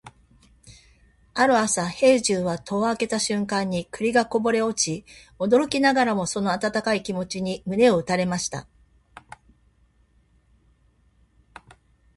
ある朝、兵十は戸を開けた瞬間に栗がこぼれ落ち、驚きながらもその温かい気持ちに胸を打たれました。